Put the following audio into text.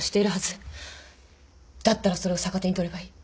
だったらそれを逆手に取ればいい。